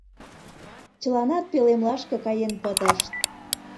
Чыланат пӧлемлашке каен пытышт.